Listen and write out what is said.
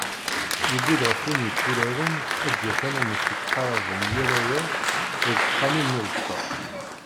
Yewwi-d ɣef win yetturaren ad d-yaf anamek yettqaṛaben i yal awal deg texxamin n uẓeṭṭa.